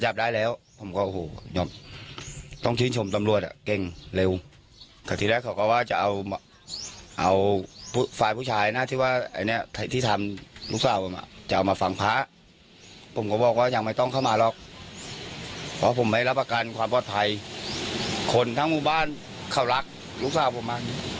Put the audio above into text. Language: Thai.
ผมไม่รับประกันความปลอดภัยคนทั้งหมู่บ้านเขารักลูกสาวผมมา